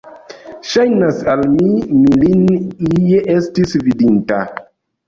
Ŝajnas al mi, mi lin ie estis vidinta!